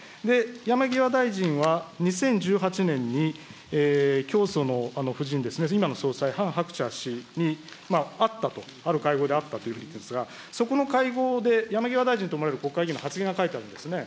山際大臣は２０１８年に、教祖の夫人ですね、今の総裁、ハン・ハクチャ氏に会ったと、ある会合で会ったといってるんですが、そこの会合で、山際大臣と思われる国会議員の発言が書いてあるんですね。